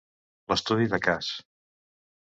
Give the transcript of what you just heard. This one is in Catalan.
L'estudi de Cas.